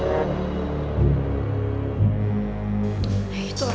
di abang buur buru